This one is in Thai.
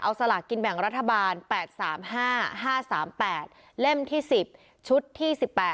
เอาสลากกินแบ่งรัฐบาล๘๓๕๕๓๘เล่มที่๑๐ชุดที่๑๘